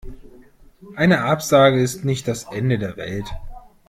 Eine Absage ist nicht das Ende der Welt.